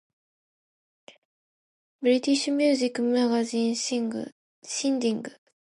British music magazine Shindig!